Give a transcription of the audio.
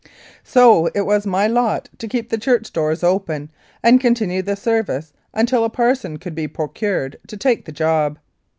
So it was my lot to keep the church doors open and continue the service until a parson could be procured to take the job.